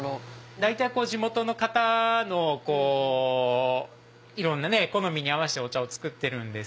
大体地元の方のいろんな好みに合わせてお茶を作ってるんですけど。